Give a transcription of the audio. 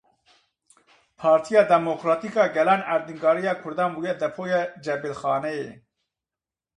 Partiya Demokratîk a Gelan: Erdnîgariya Kurdan bûye depoya cebilxaneyê.